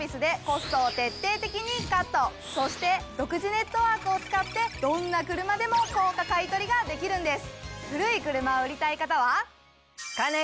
そして独自ネットワークを使ってどんな車でも高価買取ができるんです！